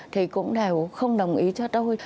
thì cũng đều không đồng ý cho tôi